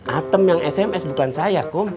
atem yang sms bukan saya kok